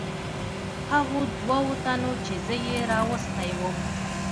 هغو دوو تنو چې زه یې راوستی ووم.